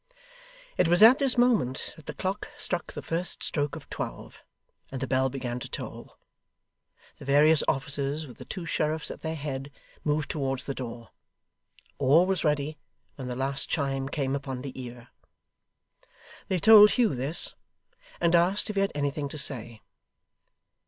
It was at this moment that the clock struck the first stroke of twelve, and the bell began to toll. The various officers, with the two sheriffs at their head, moved towards the door. All was ready when the last chime came upon the ear. They told Hugh this, and asked if he had anything to say.